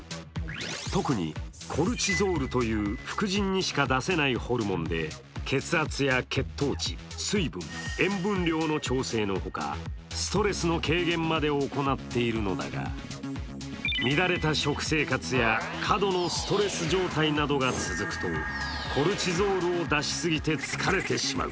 特にコルチゾールという副腎にしか出せないホルモンで血圧や血糖値、水分・塩分量の調整のほか、ストレスの軽減まで行っているのだが、乱れた食生活や過度のストレス状態などが続くとコルチゾールを出しすぎて疲れてしまう。